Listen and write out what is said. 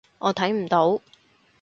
我睇唔到